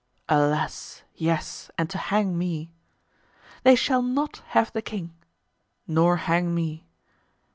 "Alas! yes, and to hang me." "They shall not have the king." "Nor hang me."